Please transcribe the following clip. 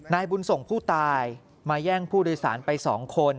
นายบุญส่งผู้ตายมาแย่งผู้โดยสารไป๒คน